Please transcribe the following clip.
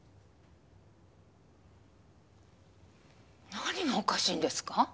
何がおかしいんですか？